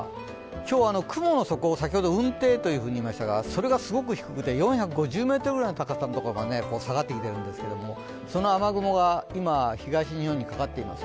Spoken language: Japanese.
今日は雲の底、先ほど雲底といいましたがそれがすごく低くて４５０ｍぐらいの高さのところまで下がってきているんですけれども、その雨雲が今、東日本にかかっています。